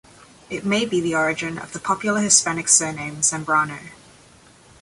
It may be the origin of the popular Hispanic surname Zambrano.